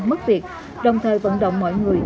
mất việc đồng thời vận động mọi người